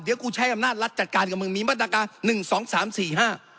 เดี๋ยวกูใช้อำนาจรัฐจัดการกับมึงมีมาตรการหนึ่งสองสามสี่ห้า